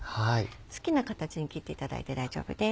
好きな形に切っていただいて大丈夫です。